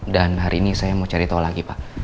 dan hari ini saya mau cari tol lagi pak